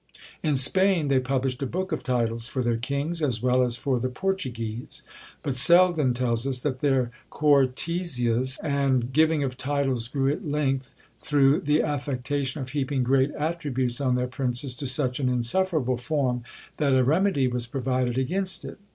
In Spain, they published a book of titles for their kings, as well as for the Portuguese; but Selden tells us, that "their Cortesias and giving of titles grew at length, through the affectation of heaping great attributes on their princes to such an insufferable forme, that a remedie was provided against it."